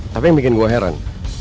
tapi yang bikin gue heran